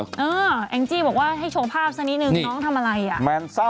แองจี้บอกว่าให้โชว์ภาพสักนิดนึงน้องทำอะไรอ่ะ